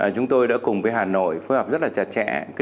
chúng tôi đã cùng với hà nội phối hợp rất là chặt chẽ